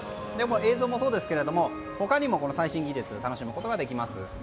映像もそうですが他にも最新技術を楽しむことができます。